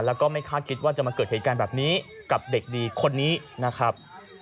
แล้วก็ไม่คาดคิดว่าจะมาเกิดเหตุการณ์แบบนี้กับเด็กดีคนนี้นะครับ